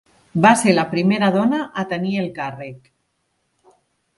Va ser la primera dona a tenir el càrrec.